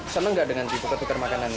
senang nggak dengan ditukar tukar makanan ini